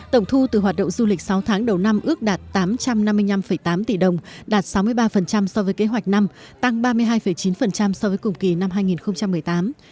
tổng thu từ hoạt động du lịch sáu tháng đầu năm ước đạt tám trăm năm mươi năm tám tỷ đồng đạt sáu mươi ba so với kế hoạch năm tăng ba mươi hai chín so với cùng kỳ năm hai nghìn một mươi tám